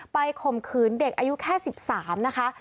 ไปข่มขืนเด็กอายุแค่สิบสามนะคะ